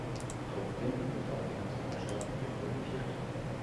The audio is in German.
Trotzdem sind auch die Nationalstaaten repräsentiert.